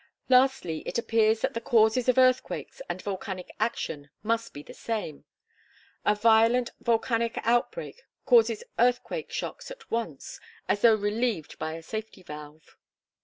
Lastly, it appears that the causes of earthquakes and volcanic action must be the same. A violent volcanic outbreak causes earthquake shocks at once, as though relieved by a safety valve.